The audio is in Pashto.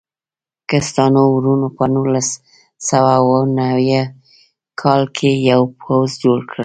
کسټانو وروڼو په نولس سوه اوه نوي کال کې یو پوځ جوړ کړ.